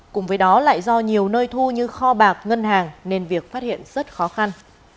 cùng với đó lại do nhiều nơi thu như kho bạc ngân hàng nên việc phát hiện rất khó khăn